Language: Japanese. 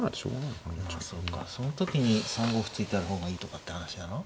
その時に３五歩突いた方がいいとかって話なの？